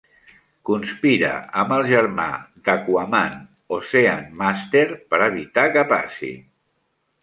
Conspira amb el germà d'Aquaman, Ocean Master per evitar que passi.